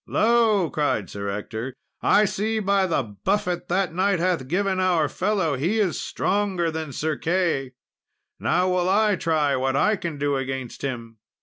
"Lo!" cried Sir Ector, "I see by the buffet that knight hath given our fellow he is stronger than Sir Key. Now will I try what I can do against him!"